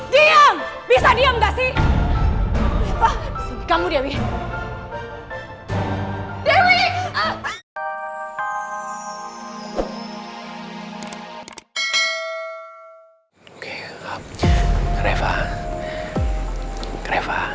diam bisa diam gak sih